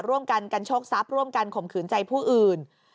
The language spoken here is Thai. ร่วมกันกันโชคทรัพย์ร่วมกันข่มขืนใจผู้อื่น